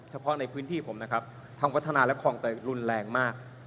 เฉพาะในพื้นที่ผมนะครับทั้งวัฒนาและคลองเตยรุนแรงมาก